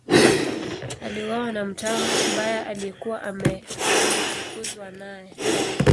Aliuawa na mtawa mbaya aliyekuwa ameafukuzwa naye.